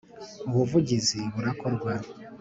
Ubuvugizi burakorwa.